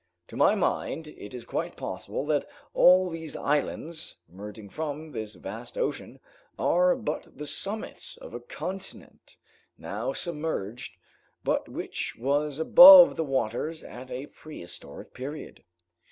To my mind, it is quite possible that all these islands, emerging from this vast ocean, are but the summits of a continent, now submerged, but which was above the waters at a prehistoric period."